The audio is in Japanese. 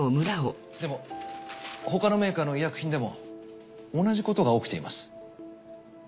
でも他のメーカーの医薬品でも同じことが起きています。